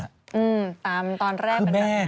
อืมตามตอนแรกเป็นแบบ